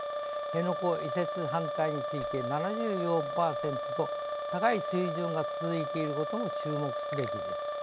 辺野古移設反対について７４％と高い水準が続いていることも注目すべきです。